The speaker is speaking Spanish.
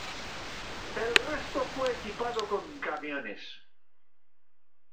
El resto fue equipado con camiones.